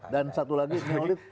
dan satu lagi neolib